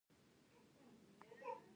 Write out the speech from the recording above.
کیمیاګر په نولس سوه اته اتیا کې خپور شو.